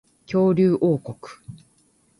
恐竜王国